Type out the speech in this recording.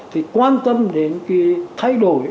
thì quan tâm đến thay đổi